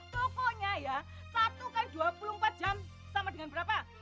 pokoknya ya satu x dua puluh empat jam sama dengan berapa